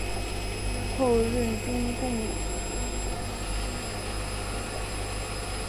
之后任中共中央中原局秘书长。